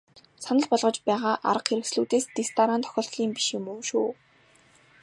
Санал болгож байгаа арга хэрэгслүүдийн дэс дараа нь тохиолдлын биш юм шүү.